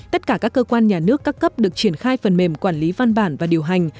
tất cả các cơ quan nhà nước các cấp được triển khai phần mềm quản lý văn bản và điều hành